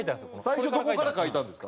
最初どこから描いたんですか？